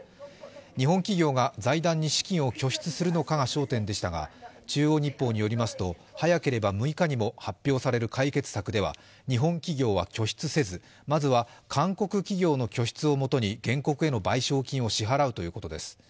日本企業が財団に資金を拠出するのかが焦点でしたが、「中央日報」によりますと早ければ６日にも発表される解決策では日本企業は拠出せず、まずは韓国企業の拠出をもとに原告への賠償金を支払うということです。